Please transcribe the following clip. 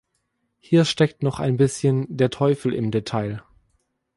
Hier steckt noch ein bisschen der Teufel im Detail.